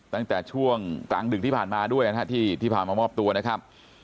ตั้งแต่ช่วงกลางดึกที่ผ่านมาด้วยนะครับที่พามามอบตัวนะครับ